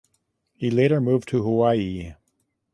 He later moved to Hawaii.